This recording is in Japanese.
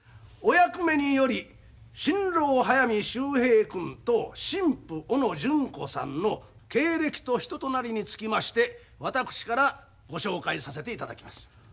お役目により新郎速水秀平君と新婦小野純子さんの経歴と人となりにつきまして私からご紹介させていただきます。